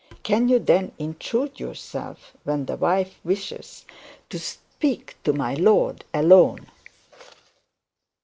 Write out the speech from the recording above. Can you then intrude yourself when the wife wishes 'to speak to my lord alone?'